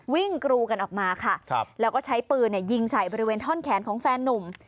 กรูกันออกมาค่ะแล้วก็ใช้ปืนยิงใส่บริเวณท่อนแขนของแฟนนุ่ม